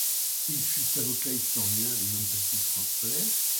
Il fut avocat, historien et homme politique français.